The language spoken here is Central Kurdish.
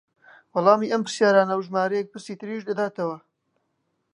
وەڵامی ئەم پرسیارانە و ژمارەیەک پرسی تریش دەداتەوە